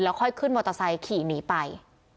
ค่อยขึ้นมอเตอร์ไซค์ขี่หนีไป